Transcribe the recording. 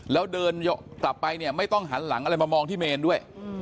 แล้วเดินกลับไปเนี่ยไม่ต้องหันหลังอะไรมามองที่เมนด้วย